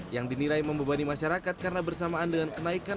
yang dinilai membebani masyarakat karena bersamaan dengan kenaikan